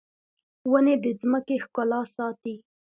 ونې د ځمکې ښکلا ساتي